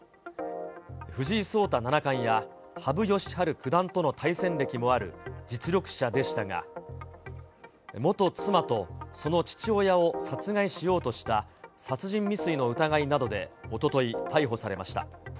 藤井聡太七冠や、羽生善治九段との対戦歴もある実力者でしたが、元妻とその父親を殺害しようとした殺人未遂の疑いなどでおととい、逮捕されました。